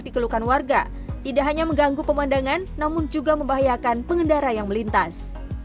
dikeluhkan warga tidak hanya mengganggu pemandangan namun juga membahayakan pengendara yang melintas